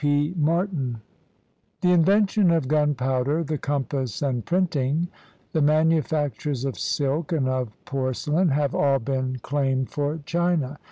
P. MARTIN [The invention of gunpowder, the compass, and printing, the manufactures of silk and of porcelain have all been claimed for China.